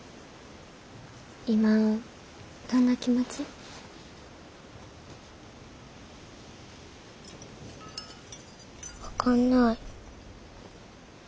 今どんな気持ち？分かんない。